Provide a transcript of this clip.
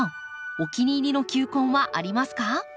お気に入りの球根はありますか？